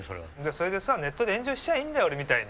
それでさネットで炎上しちゃーいいんだよ俺みたいに！